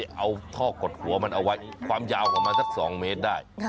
ยาวขวางมาสัก๒เมตรได้